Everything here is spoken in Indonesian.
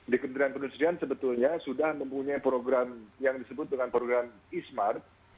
di kementerian perindustrian sebetulnya sudah mempunyai program yang disebut dengan program e smart